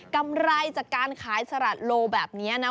กำไรจากการขายสลัดโลแบบนี้นะ